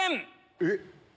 えっ！